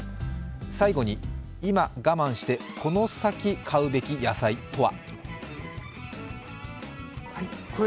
最後に、今我慢してこの先、買うべき野菜とは。